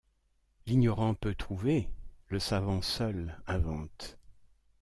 L’ignorant peut trouver, le savant seul invente.